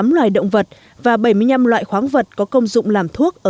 bốn trăm linh tám loài động vật và bảy mươi năm loài khoáng vật có công dụng làm thuốc